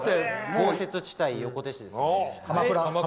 豪雪地帯、横手市です。